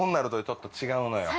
ちょっと違うのよ